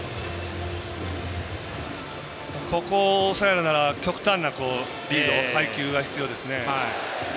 ここを抑えるなら極端なリード、配球が必要ですね。